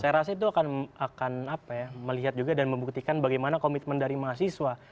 saya rasa itu akan melihat juga dan membuktikan bagaimana komitmen dari mahasiswa